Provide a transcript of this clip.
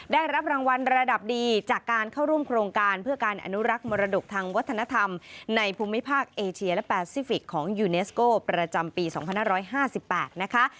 ได้รับรางวัลระดับดีจากการเข้าร่วมโครงการเพื่อการอนุรักษ์มรดกทางวัฒนธรรมในภูมิภาคเอเชียและแปซิฟิกของยูเนสโก้ประจำปี๒๕๕๘นะคะ